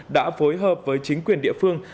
đã phối hợp với chính quyền địa phương